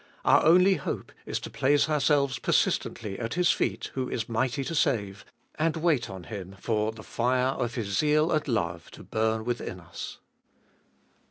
Our only hope is to place ourselves persistently at His feet who is mighty to save, and wait on Him for the fire of His zeal and love to burn within us.